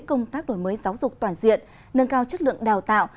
công tác đổi mới giáo dục toàn diện nâng cao chất lượng đào tạo